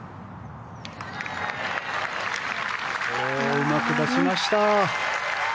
うまく出しました。